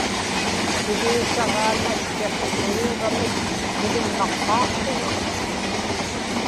kiḷiutaġaa natchiq uluuramik niviŋŋaqqaaqługu